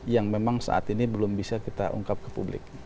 yang memang saat ini belum bisa kita ungkap ke publik